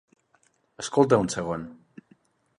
Escolta un segon.